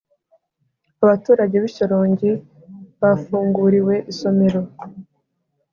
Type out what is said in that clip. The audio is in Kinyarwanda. Abaturage bishyorongi bafunguriwe isomero